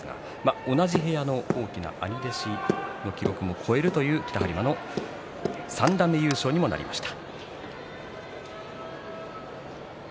同じ部屋の王輝の兄弟子の記録も超えるという北はり磨の三段目優勝になりました。